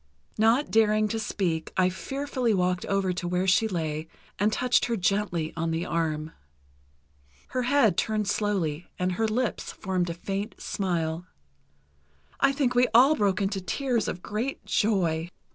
Not daring to speak I fearfully walked over to where she lay and touched her gently on the arm. Her head turned slowly, and her lips formed a faint smile. I think we all broke into tears of great joy.